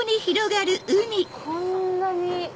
こんなに。